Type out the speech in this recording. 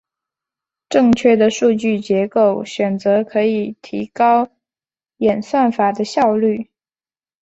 正确的数据结构选择可以提高演算法的效率。